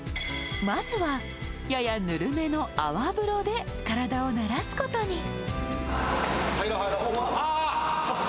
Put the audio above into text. まずはややぬるめの泡風呂で体を慣らすことに。